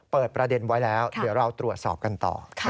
เปิดประเด็นไว้แล้วเดี๋ยวเราตรวจสอบกันต่อ